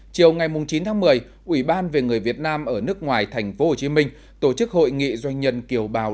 chiều ngày chín tháng một mươi ủy ban về người việt nam ở nước ngoài tp hcm tổ chức hội nghị doanh nhân kiều bào